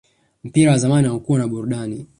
mpira wa zamani haukuwa na burudani